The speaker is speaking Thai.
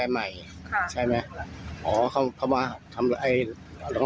แล้วทีนี้เราก็ทำงานไม่ได้แล้ว